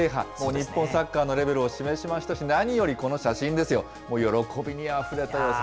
日本サッカーのレベルを示しましたし、何よりこの写真ですよ、もう喜びにあふれています。